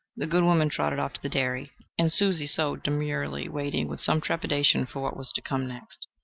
The good woman trotted off to the dairy, and Susie sewed demurely, waiting with some trepidation for what was to come next.